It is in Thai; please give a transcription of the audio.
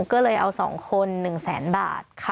ก็เลยเอา๒คน๑๐๐๐๐๐บาทค่ะ